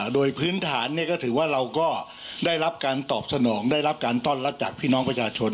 โดยพื้นฐานก็ถือว่าเราก็ได้รับการตอบสนองได้รับการต้อนรับจากพี่น้องประชาชน